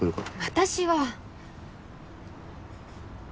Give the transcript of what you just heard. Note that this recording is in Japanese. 私は。